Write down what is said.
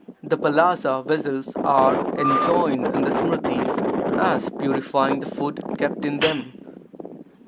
[The palasa vessels are enjoined in the Smrtis as purifying the food kept in them.